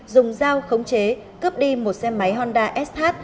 dùng dao khống chế cướp đi một xe máy honda sh